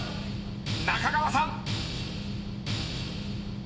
［中川さん］